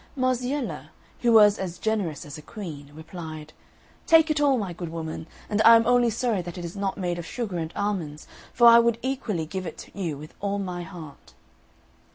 Marziella, who was as generous as a queen, replied, "Take it all, my good woman, and I am only sorry that it is not made of sugar and almonds, for I would equally give it you with all my heart."